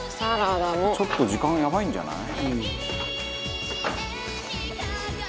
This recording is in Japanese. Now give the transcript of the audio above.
「ちょっと時間やばいんじゃない？」